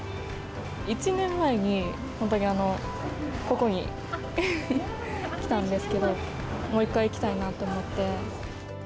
１年前に、本当にここに来たんですけど、もう一回来たいなと思って。